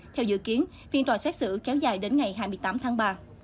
theo dự kiến phiên tòa xét xử kéo dài đến ngày hai mươi tám tháng ba